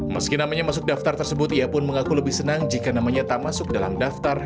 meski namanya masuk daftar tersebut ia pun mengaku lebih senang jika namanya tak masuk dalam daftar